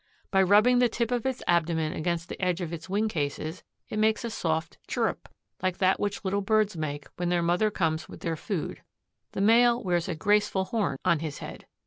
By rubbing the tip of its abdomen against the edge of its wing cases it makes a soft chirrup like that which little birds make when their mother comes with their food. The male wears a graceful horn on his head.